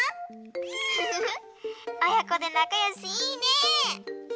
フフフおやこでなかよしいいね！